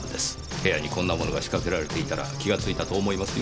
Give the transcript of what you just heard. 部屋にこんな物が仕掛けられていたら気がついたと思いますよ。